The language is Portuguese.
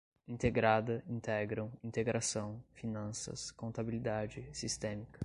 integrada, integram, integração, finanças, contabilidade, sistémica